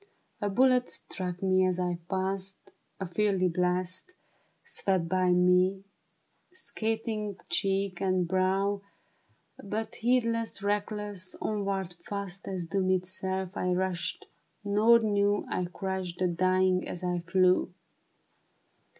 A bullet struck me as I passed, A fiery blast Swept by me, scathing cheek and brow, But heedless, reckless, onward, fast As doom itself, I rushed, nor knew I crushed the dying as I flew.